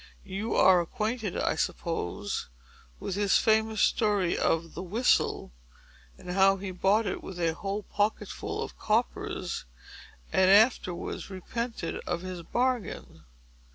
You are acquainted, I suppose, with his famous story of the WHISTLE, and how he bought it with a whole pocketful of coppers, and afterwards repented of his bargain.